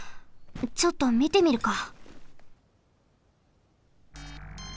ちょっとみてみるか。